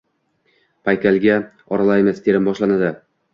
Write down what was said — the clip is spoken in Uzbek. Paykalga oralaymiz, terim boshlanadi.